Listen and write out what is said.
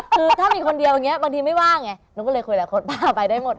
คือถ้ามีคนเดียวอย่างนี้บางทีไม่ว่างไงหนูก็เลยคุยหลายคนบ้าไปได้หมด